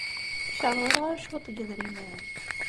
Ur ak-rḍileɣ ara cwiṭ n yidrimen?